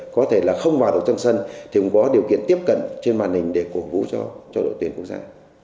có thể là không vào được trong sân thì cũng có điều kiện tiếp cận trên màn hình để cổng vũ cho đội tuyến quốc gia